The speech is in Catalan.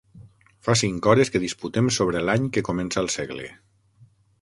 Fa cinc hores que disputem sobre l'any que comença el segle.